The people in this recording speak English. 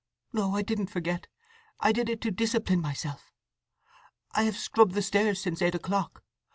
No, I didn't forget. I did it to discipline myself. I have scrubbed the stairs since eight o'clock.